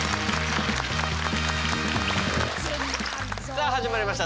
さあ始まりました